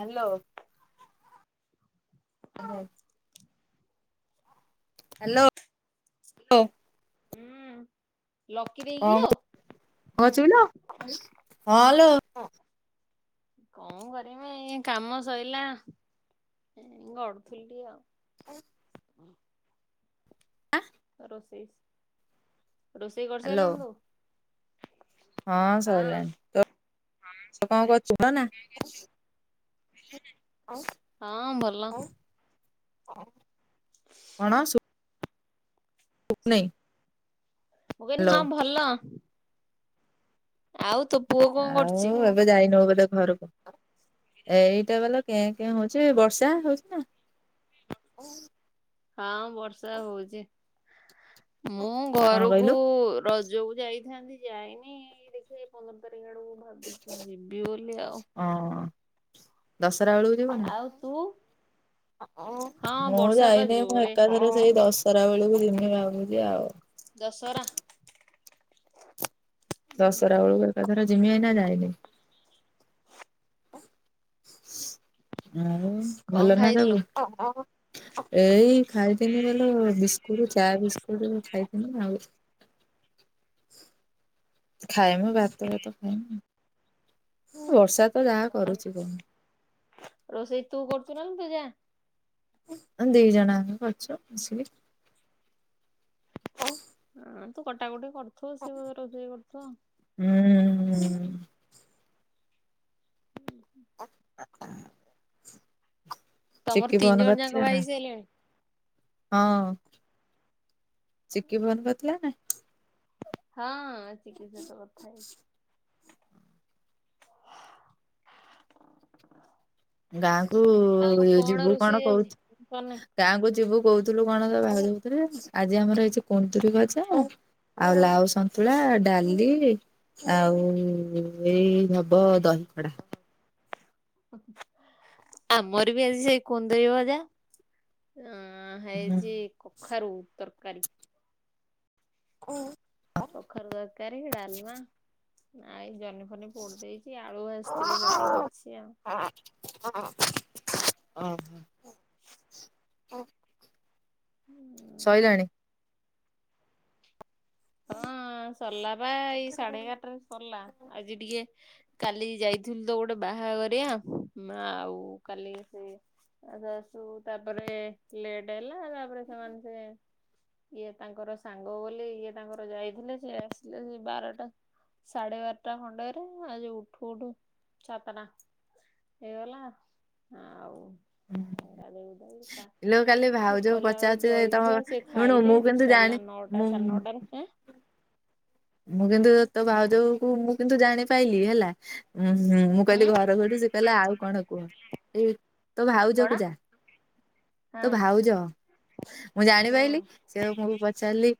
Hello. Hello. ହୁଁ। ଲକି ଦେଇକିଲୋ କଣ କଚ ହୋଚୁ ଲୋ ହଁ ଲୋ। କଣ କରିବି ଇ କାମ ସଇଲା ଗଡୁଥିଲି ଟିକେ ଆଉ। ଏ ଆଁ ରୋଷେଇ ରୋଷେଇ କରିସାରିଲୁଣି ତୁ? ହଁ ସରିଲାଣି ତ ହଁ ଆସିଗଲା ଠିକ୍ ହେଇକି ଅଛି ପିଲନା? କଣ ସୁ ବୁନି। ମୁଁ କହିଲି ହଁ ଭଲ। ଆଉ ତୋ ପୁଅ କଣ ଆଉ କରୁଚି? ଏବେ ଯାଇନ ବୋଧେ ଘରକୁ ଏଇଟେ ବୋଲେ କେଁ କେଁ ହୋଉଚି ବର୍ଷା ହୋଉଚି ନା? ହଁ ବର୍ଷା ହୋଉଛି ମୁଁ କଣ ଘରକୁ କହିଲୁ ର ଯୋଉ ଯାଇଥାନ୍ତି ଯାଇନି ଏଇ ଦେଖିଆ ଏଇ ପନ୍ଦର ତାରିଖ ଆଡକୁ ଭାବିଚି ଯିବି ବୋଲି ଆଉ। ହଁ ଦଶରା ବେଳୁ ଯିବନି ଆଉ ତୁ? ହଁ ମୁଁ ବର୍ଷା ବା ଆଇଲି ଜୋରେ ଘଣ୍ଟାକେ ସେଇ ଦଶହରା ବେଳକୁ ଜିମି ଭାବୁଚି ଆଉ। ଦଶହରା ଦଶରା ବେଳକୁ ଏକାଥର ଜିମି ଏଇନା ଯାଇନି। ଉଁ କଣ ଭଲ ନା ଖାଇଥିଲୁ? ସବୁ? ଏଇ ଖାଇଥିନି ବଲେ ବିସ୍କୁଟ ଚା ବିସ୍କୁଟ ଖାଇଥିନି ଆଉ। ଖାଇବି ଭାତ ଫାତ ଖାଇବି ଆଉ। ବର୍ଷା ତ ଯାହା କରୁଚି କହନି। ରୋଷେଇ ତୁ କରୁଚୁ ନା ଲୋ ତୋ ଜା? ଦୁଇ ଜଣା କ କରୁଛୁ ମିଶିକି। ହଁ ତୁ କଟା କଟି କରୁଥିବୁ ସେ ରୋଷେଇ କରୁଥିବ। ହୁଁ। ତମର ଚିକି ତିନି ଫୋନ୍ ଜଣ ଯାକ କରିଥିଲା ବାହା ନା? ହେଇ ସାଇଲେଣି? ହଁ ଚିକି ଫୋନ୍ କରିଥିଲା ନା? ହଁ ଚିକି ସହିତ କଥା ହେଇଚି। ଗାଁ କୁ ଆଉ ଯିବୁ କଣ ରୋଷେଇ ଆଜି? କହୁଚୁ। କନେ ଗାଁକୁ ଯିବୁ କହୁଥିଲୁ କଣ ତ ବାହାରେ ହେଇପାରିବନି ଆଜି ଆମର ହେଇଚି କୁନ୍ଦୁରି ଭଜା ଆଉ ଲାଉ ସନ୍ତୁଳା ଡାଲି ଆଉ ଏଇ ହବ ଦହିଖଡା। ଆମର ବି ଆଜି ସେଇ କୁନ୍ଦୁରି ଭଜା ଅ ହୁଁ ହେଇଚି କଖାରୁ ତରକାରୀ। ଉଁ। କଖାରୁ ତରକାରୀ ଡାଲମା ଆଇ ଜ ଖନେ ପୋଡି ଦେଇଛି ଆଳୁ ଭାଜିଥିଲି ସକାଳୁ ଅଛି ଆଉ। ହଁ ହ ହ ହ [inaudible] ଆଉ। ସଇିଲାଣି? ହଁ ସରିଲା ବା ଏଇ ସାଢେ ଏଗାରଟାରେ ସରିଲା ଆଜି ଟିକେ କାଲି ଯାଇଥିଲୁ ତ ଗୋଟେ ବାହାଘରିଆ ମା ଆଉ କାଲି ସେ ଆସୁ ଆସୁ ତାପରେ ଲେଟ ହେଲା ତାପରେ ସେମାନେ ସେ ଇଏ ତାଙ୍କର ସାଙ୍ଗ ବୋଲି ଇଏ ତାଙ୍କର ଯାଇଥିଲେ ସିଏ ଆସିଲେ ସେ ବାରଟା ସାଢେ ବାରଟା ଖଣ୍ଡେରେ ଆଜି ଉଠୁ ଉଠୁ ସାତଟା। ହେଇଗଲା ଆଉ ଇଲୋ କାଲି ଭାଉଜ କଲାବେଳୁ ପଚାରୁଛି ତମ ଜଳିଖିଆ ସେ ଶୁଣୁ ଖାଇଲେ ମୁଁ କିନ୍ତୁ ସରଲା ଜାଣି ନ ଆଉ ସାଡେ ମୁଁ ନଟାରେ ଏଁ? ମୁଁ କିନ୍ତୁ ତୋ ଭାଉଜକୁ ମୁଁ କିନ୍ତୁ ଜାଣିପାଇଲି ହେଲା ଉୁଁ ହୁଁ ମୁଁ କହିଲି ଘର କୋଉଠି ସେ କହିଲା ଆଉ କଣ କୁହ? ଏଇ ତୋ କଣ ଭାଉଜକୁ ଯା ତୋ ହଁ ଭାଉଛ ମୁଁ ହୁଁ ଜାଣିପାରିଲି ସେ ଆଉ ମୁଁ ପଚାରିଲି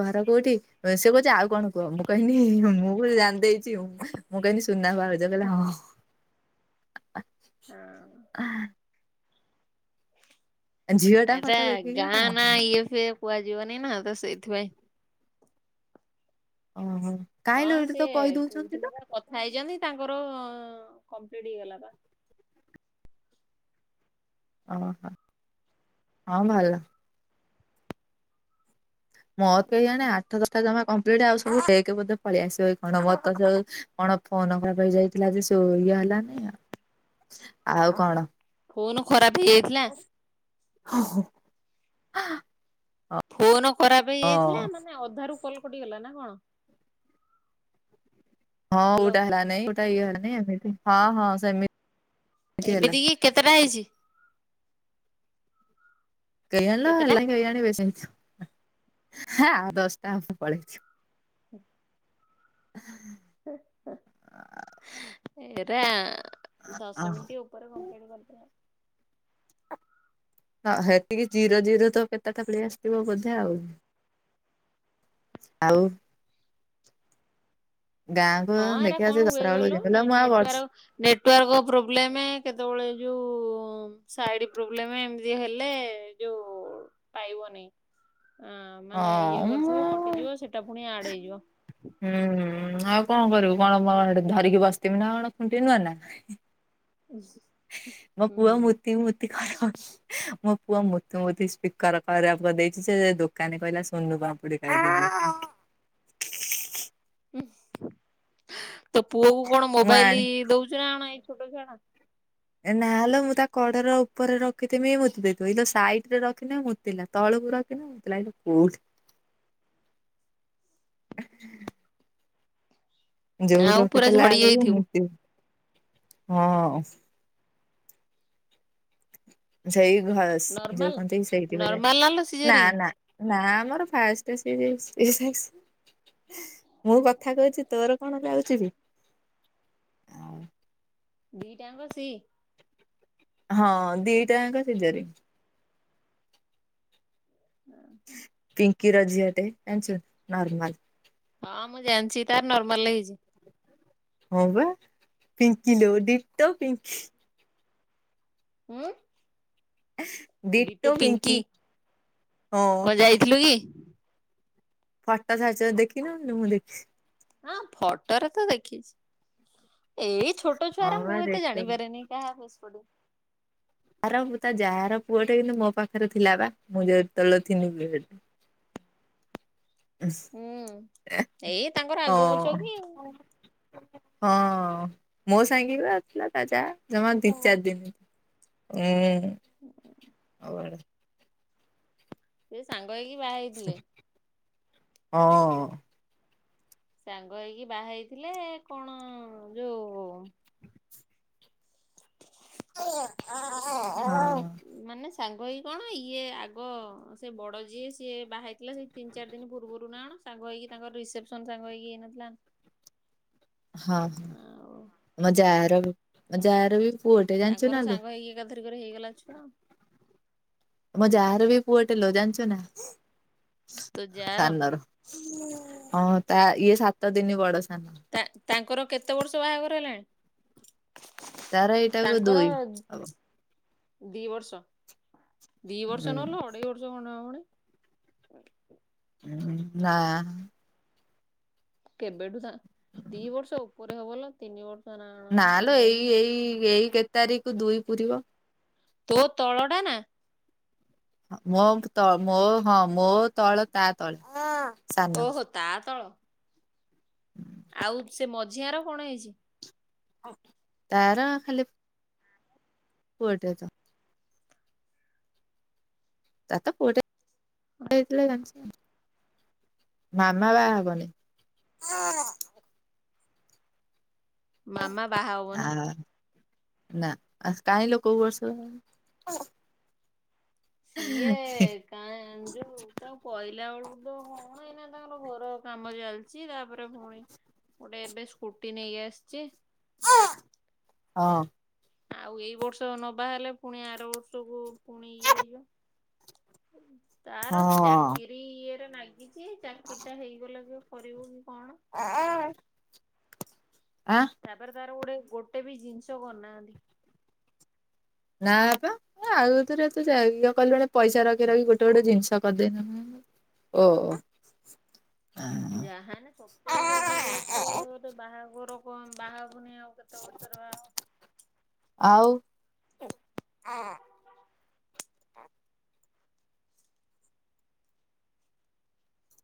ଘର କୋଉଠି ସେ କହୁଛି ଆଉ କଣ କୁହ, ମୁଁ କହିଲି ମୁଁ କହିଲି ଜାଣିଦେଇଚି ମୁଁ କହିଲି ସୁନା ଭାଉ ସେ କହିଲେ ହଁ। ହଁ। ଝିଅ ଟା ଏଟା ଫଟୋ ଦେଖିକି ମୁଁ ଗାଁ ନାଁ ଜାଣିଦେଲି। ଇଏ ଫିଏ କୁହାଯିବନି ନା ତ ସେଇଥିପାଇଁ ଓହୋ। କାହିଁ ହଁ ଲୋ ଏଇଠି ତ କହିଦଉଛନ୍ତି ନା ସେକହୁଥିଲେ ପା କଥା ହେଇଛନ୍ତି ତାଙ୍କର କମ୍ପ୍ଲିଟ ହେଇଗଲା ପା। ଓହୋ ହଁ ଭଲ। ମୋ କେଜାଣେ ଆଠ ଦଶଟା ଜମା କମ୍ପ୍ଲିଟ ଆଉ ସବୁ ଫେକ ବୋଧେ ସବୁ ପଳେଇ ଆସିବ କି କଣ ମର ତ ସବୁ କଣ ଫୋନ ଖରାପ ହେଇଯାଇଥିଲା ଯେ ସ ଇଏ ହେଲାନି ଆଉ କଣ? ଫୋନ ଖରାପ ହେଇଯାଇଥିଲା। ଓ ହୋ। ଫୋନ ଖରାପ ହେଇଯାଇଥିଲା ମାନେ ଅଧାରୁୁ କଲ୍ କଟିଗଲା ନା କଣ? ହଁ ହ୍ୟାଲୋ ଗୋଟା ହେଲା ନାଇଁ ଗୋଟା ଇଏ ହେଲାନି ଏମିତି ହଁ ହଁ ସେମି ଏମିତି କି କେତେଟା ହେଇଛି? କେଜାଣି ଲୋ କେତେଟା ହେଲା କେଜାଣି ବେଶି ହେ ଆଉ ଦଶଟା ଆମ ପଳେଛୁ। ଏଟ ଦଶ ମିନିଟ ଉପ ଅ ଉପରେ କଂପ୍ଲେନ୍ ହଁ କରିଥିଲେ। ହଁ ହେତିକି ଜିରୋ ଜିରୋ ତ କେତେଟା ପଳେଇ ଆସିଥିବ ବୋଧେ ଆଉ। ଆଉ। ଗାଁକୁ ହଁ ଏରା ଦେଖିବା କଣ ସେ ହୁଏ ଦଶରା ବେଳକୁ କହିଲ ଜିମିହେଲେ ମୁଁ ଆଉ ନେଟୱାର୍କ ବରସେ ନେଟୱାର୍କ ପ୍ରୋବ୍ଲେମ କେତେବେଳେ ଯୋଉ ସାଇଡ ପ୍ରୋବ୍ଲେମ ଏମିତି ହେଲେ ଯୋଉ ପାଇବନି। ଅ ମାନେ ଇଏ ହଁ କରୁଥୁବୁ କଟିଯିବ ସେଟା ପୁଣି ଆଡ ହେଇଯିବ। ହୁଁ ହୁଁ ଆଉ କଣ କରିବୁ କଣ କଣହେଠେ ଧରିକି ବସିଥିମି ନା କଣ ଖୁଣ୍ଟି ନହେଲେ। ହୁଁ ମୋ ପୁଅ ହୁଁ ମୂତି ମୂତି ଘର ମୋ ପୁଅ ମୁତି ମୁତି ସ୍ପିକର ଖରାପ କରିଦେଇଚି ସେ ଦୋକାନ କହିଲା ସୁନୁପାମ୍ପ [inaudible] ହୁଁ ତୋ ପୁଅ କୁ କଣ ମୁଁ ଆଣି ମୋବାଇଲ ଦଉଛୁ ନା କଣ ଏଇ ଛୋଟ ଛୁଆଟା ଏ ନାଲୋ ମୁଁ ତା କଡର ଉପରେ ରଖିଥିମି ମୁତି ଦେଇଥିବି ଏଇ ତ ସାଇଡ ରେ ରଖିଲେ ମୁତିଲା ତଳକୁ ରଖିନେ ମୁତିଲା ଏଇଠି କଉଠି ଯଉଠି ଆଉ ପୁରା ରଖିଥିଲା ଝଡି ବେଳକୁ ଯାଇଥିବୁ ମୂତିବ ହଁ ସେଇ ଘ ସ ଯୋଉ ନର୍ମାଲ କହନ୍ତି ସେଇଠି ପ ନର୍ମାଲ ଲୋ ନା ସିଜରିଂ ନା ନା ଆମର ଫାଷ୍ଟ ସେଇ ସେକ୍ସ୍ ମୁଁ କଥା କହିଛି ତୋର କଣ ଯାଉଛି ବେ ଦିଟାଙ୍କ ସି? ହଁ ଦିଟାଙ୍କ ସିଯରିଙ୍ଗ। ପିଙ୍କି ର ଝିଅଟେ ଜାଣିଛୁ ନା ନର୍ମାଲ। ହଁ ମୁଁ ଜାଣିଛି ତାର ନର୍ମାଲ ହେଇଛି। ହଁ ବା ପିଙ୍କି ଦଉ ତ ଦିଟୋ ପିଙ୍କି ହଁ। ଡିଟୋ ପିଙ୍କି ହଁ। କିଏଲୋ ଇଏ? ଫଟ ଛାଡିଛନ୍ତି ଦେଖିନୋଉ କିଲୋ ମୁଁ ଦେଖିଛି। ହଁ ଫୋଟରେ ତ ଦେଖିଛି ଏଇ ଛୋଟ ହଁ ଛୁଆଉରା ବା ମୁଁ ଏତେ ଡିଟୋ ଜାଣିପାରେନି କାହା ଫେସ୍ କଟିଙ୍କ୍? ଯାହାର ହୋଉ ତା ଯାହାର ପୁଅଟେ କିନ୍ତୁ ମୋ ପାଖରେ ଥିଲା ବା ମୁଁ ଯେ ତେଲେ ଥିଲି ହୁଁ ଏଇ ତାଙ୍କର ହଁ ଆଗ ପଛ କି ଆଉ ହଁ ମୋ ସାଙ୍ଗେରେ ପା ଥିଲା ତା ଯା ଜମା ଦିଚାରିଦିନି ଏ ଓ ସେ ସାଙ୍ଗ ହେଇକି ବାହା ହେଇଥିଲେ ହଁ। ସାଙ୍ଗ ହେଇକି ବାହାହେଇଥିଲେ କଣ ଯୋଉ ଏ ଆ ହୁଁ ମାନେ ସାଙ୍ଗ ହେଇକି କଣ ଇଏ ଆଗ ସେ ବଡ ଯିଏ ସିଏ ବାହହେଇଥିଲା ସେଇ ତିନି ଚାରି ଦିନ ପୂର୍ବରୁ ନା କଣ ସାଙ୍ଗ ହେଇକି ତାଙ୍କର ରିସେପସନ ସାଙ୍ଗ ହେଇକି ହେଇନଥିଲା ନା ହଁ ଆଉ ମୋ ଯାର ମୋ ଯାର ବି ପୁଅଟେ ଜାଣିଛୁ ତାଙ୍କର ନାଲୋ? ସାଙ୍ଗ ହେଇକି ଏକାଥରକରେ ହେଇଗଲା ଛୁଆ ଆମ ଯାଆର ବି ପୁଅଟେ ଲେ ଜାଣିଛୁନା ତୋ ଯାଆର ସାନର ହଁ ତା ଇଏ ସାତ ଦିନ ବଡ ସାନ। ତା ତାଙ୍କର କେତେ ବର୍ଷ ବାହାଘର ହେଲାଣି? ତାର ଏଇଟାକୁ ତାଙ୍କର ଦୁଇ ହବ। ଦି ବର୍ଷ। ଦି ବର୍ଷ ଉଁ ନୁହେଁଲୋ ଅଢେଇ ବର୍ଷ ଖଣ୍ଡେ ହବଣି ନା କେବେଠୁ ତା ଦି ବର୍ଷ ଉପରେ ହବଲୋ ତିନି ବର୍ଷ ନା ନାଲୋ କଣ ହେ ଏଇ ଏଇ ଏଇ କେ ତାରିଖକୁ ଦୁଇ ପୁରିବ। ତୋ ତଳ ଟା ନା? ହଁ ମୋ ତଳ ମୋ ହଁ ମୋ ତଳ ତା ତଳେ ମା ଓହୋ ତା ତଳ। ଆଉ ସେ ମଝିଆର କଣ ହେଇଛି? ହଁ ତାର ଖାଲି ପୁ ପୁଅଟେ ତ ତାରତ ପୁଅଟେ ହେଇଥିଲା ଜାଣିଛି ଆ ମାମା ବାହା ହବନି? ମାମା ବାହା ଅ ହବନି। ନା କାହିଁଲୋ କୋଉ ବର୍ଷ? ସିଏ କାଁ ଯୋଉ ତାଙ୍କୁ କହିଲା ବେଳକୁ ତ କଣ ଏଇନା ତାଙ୍କ ଘର କାମ ଚାଲିଛି ତାପରେ ପୁଣି ଗୋଟେ ଏବେ ସ୍କୁଟି ନେଇକିଆସିଛି ହଁ। ଆଉ ଏଇ ବର୍ଷ ନ ବାହା ହେଲେ ପୁଣି ଆର ବର୍ଷକୁ ପୁଣି ଇଏ ହେଇଯିବ ‌। ତାର ହଁ ଚାକିରି ଇଏରେ ନାଗିଛି ଚାକିରି ଟା ହେଇଗଲେ ବି। କରିବ କି କଣ। ଅ ଆଁ। ତାପରେ ତାର ଗୋଟେ ଗୋଟେ ବି ଜିନିଷ କରି ନାହାନ୍ତି। ନା ପା ଏ ଆଗତୁରିଆ ତୁ ଚା ଇଏ କଲୁଣୁ ପଇସା ରଖି ରଖି ଗୋଟେ ଗୋଟେ ଜିନିଷ କରି ଦେଇନଥାନ୍ତୁ। ଓ। ଯାହାନେ ସତେଇଶ ଅଠେଇଶ ବର୍ଷ ଆଉ ଗୋଟେ ବାହାଘର କଣ ବାହା ହବୁନେଇ ଆଉ। କେତେ ବର୍ଷ ରେ ବାହା ହବ। ଆଉ।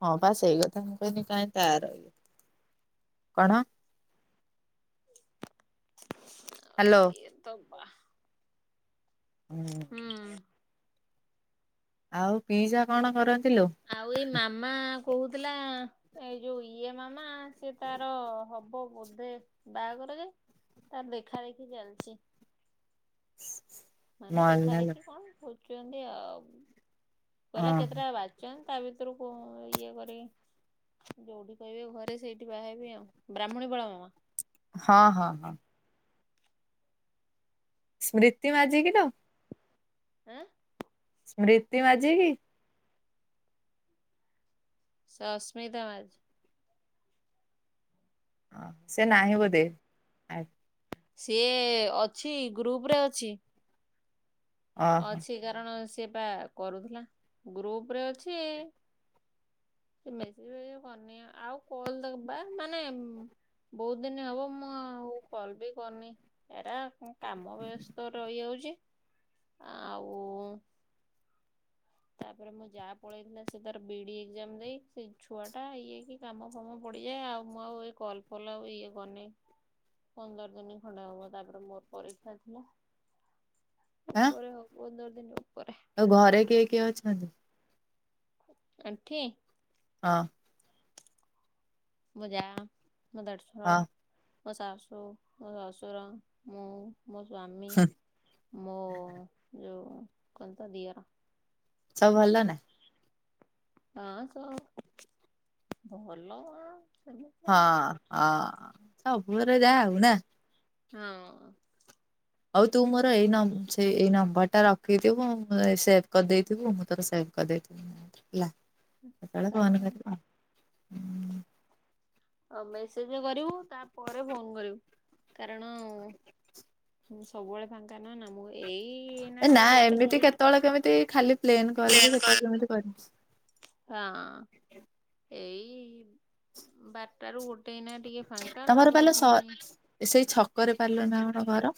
ହଁ ବା ସେଇ କଥା ମୁଁ କହିଲି କାହିଁ ତାର ଇଏ କଣ? ଅଉ ହ୍ୟାଲୋ ସିଏତ ବା ଉଁ। ହୁଁ ଆଉ ପିଇସା କଣ କରନ୍ତି ଲୋ। ଆଉ ଏଇ ମାମା କହୁଥିଲା ଏ ଯୋଉ ଇଏ ମାମା। ସିଏ ତାର ହବ ବୋଧେ ବାହାଘର ଯେ ତାର ଦେଖା ଦେଖି ଚାଲିଚି। [unintelligible] ମାନେ ଦେଖା ମଲାଲୋ ଦେଖି କଣ ଖୋଜୁଛନ୍ତି ଆଉ କହିଲା ଓହୋ କେତେଟା ବା ଚନ୍ତି ତା ଭିତରୁ କୋ ଇଏ କରିକି। ଯୋଉଠି କହିବେ ଘରେ ସେଇଠି ବାହାହେବି ଆଉ ବ୍ରାହ୍ମଣୀ ବଳା ମାମା। ହଁ ହଁ ହଁ। ସ୍ମ୍ରତୀ ମାଝି କି ଲୋ। ଆଁ। ସ୍ମ୍ରିତୀ ମାଝି କି? ସସ୍ମିତା ମାଝି। ଓ ସେ ନାହିଁ ବୋଧେ ଆ- ସିଏ ଅଛି ଗ୍ରୁପ୍ ରେ ଅଛି। ଓହୋ ଅଛି କାରଣ ସିଏ ପା କରୁଥିଲା ଗ୍ରୁପ ରେ ଅଛି। ସିଏ ମେସେଜ ଫେସେଜ କରିନି ଆଉ କଲ ତାକୁ ବା ମାନେ- ବହୁତ ଦିନି ହବ ମୁଁ ଆଉ କଲ ବି କରିନି। ଏରାଆ ମୁଁ କାମ ବ୍ୟସ୍ତ ରହିଯାଉଛି। ଆଉ। ତାପରେ ମୋ ଯା ପଳେଇଥିଲା ସେ ତାର ବିଡି ଏକ୍ଜାମ ଦେଇ ସେ ଛୁଆଟା ଇଏକି। କାମ ଫାମ ପଡିଯାଏ ଆଉ ମୁଁ ଆଉ ଏଇ କଲ୍ ଫଲ୍ ଆଉ ଇଏ କରିନି। ପନ୍ଦର ଦିନି ଖଣ୍ଡେ ହବ ତାପରେ ମୋର ପରୀକ୍ଷା ଥିଲା। ଆଁ। ଆଉ ପନ୍ଦର ଦିନି ଉପରେ। ଆଉ ଘରେ କିଏ କିଏ ଅଛନ୍ତି। ଏଁଠି? ହଁ। ମୋ ଯା ମୋ ଦେ଼ଢ ଶୁର ହଁ ମୋ ଶାଶୁ ମୋ ଶ୍ୱଶୁର ମୁଁ‌। ମୋ ସ୍ଵାମୀ ମୋ ଯୋଉ କଣ ତ ଦିଅର। ସବୁ ଭଲ ନା। ହଁ ସବୁ ଭଲ କଣ ଆଉ ସେମିତି। ହଁ ଅଁ ସବୁଘରେ ଯା ଆଉ ନା? ହଁ। ଆଉ ତୁ ମୋର ଏଇ ନମ୍ ସେ ଏଇ ନମ୍ବର ଟା ରଖିଥିବୁ ସେଭ୍ କରିଦେଇଥିବୁ ମୁଁ ତୋର ସେଭ କରିଦେଇଥିବି‌ ହେଲା। କେତେବେଳେ ଫୋନ କାଁ। କରିବ। ଆଉ ମେସେଜେ କରିବୁ ତାପରେ ଫୋନ୍ କରିବୁ କାରଣ ମୁଁ ସବୁବେଳେ ଫାଙ୍କା ନୁହେଁ ନା ମୁଁ ଏଇ- ଏ ନା କେ ଗୋଟେ ଏମିତି ସରି କେତେବେଳେ କେମିତି ଖାଲି ପ୍ଲେନ୍ କଲ୍ ବି କେତେବେଳେ କେମିତି କରିବି। ହଁ ଏଇ ବା- ଟାରୁ ଗୋଟେ ଏଇନା ଟିକେ ଫାଙ୍କା ତମର ତାପରେ ପାଲୋ ସ ପୁଣି- ସେଇ ଛକରେ ପାଲୋ ନା କଣ ଘର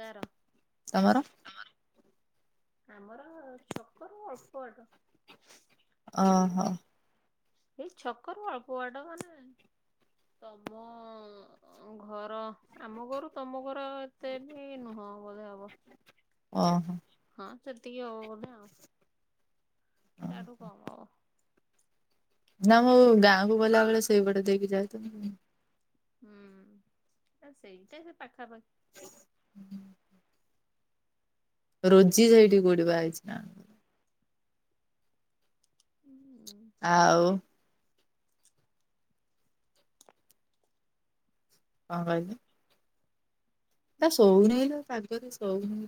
କାର? ତମର। ଆମର ଛକରୁ ଅଳ୍ପ ବାଟ। ଅ ହ। ଏଇ ଛକରୁ ଅଳ୍ପ ବାଟ ମାନେ ତମ ଘର ଆମ ଘରୁ ତମ ଘର ଏତେ ବି ନୁହଁ ବୋଧେ ହବ। ଓହୋ। ହଁ ସେତିକି ହବ ବୋଧେ କି ତାଠୁ କାମ ହବ। ନା ମୁଁ ଗାଁକୁ ଗଲାବେଳେ ସେଇ ପଟ ଦେଇକି ଯାଏ ତ ଉଁ ହୁଁ ସେଇଟା ସେ ପାଖାପାଖି। ହୁଁ ହୁଁ। ରୋଜି ସେଇଠି କଉଠି ବା‌ ହେଇଛି ନା କଣ? ଉଁ। ଆଉ। କ କହିଲୁ? ଏଟା ସୋଉ ନେଇଲୋ ଏ ପାଗରେ ସୋଉନେଇ।